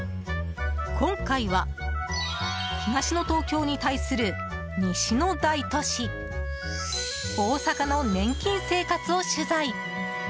今回は東の東京に対する西の大都市大阪の年金生活を取材。